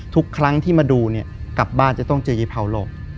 ทุกครั้งที่มาดูเนี่ยกลับบ้านจะต้องเจอเย้เผาหลอก